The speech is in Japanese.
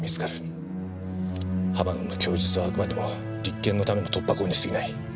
浜野の供述はあくまでも立件のための突破口に過ぎない。